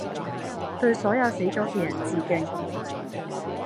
對所有死咗嘅人致敬